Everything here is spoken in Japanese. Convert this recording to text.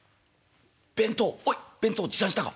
おい弁当持参したか？」。